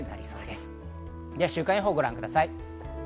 では、週間予報をご覧ください。